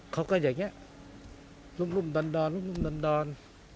เขาก็อย่างเงี้ยรุ่นรุ่นดอนดอนรุ่นรุ่นดอนดอน